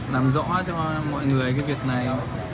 làm rõ cho mọi người cái việc này